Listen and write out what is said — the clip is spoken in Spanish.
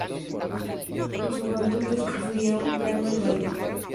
En su juventud estudió piano y baile.